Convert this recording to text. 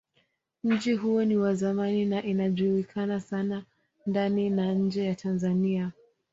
Mji huo ni wa zamani na ilijulikana sana ndani na nje ya Tanzania.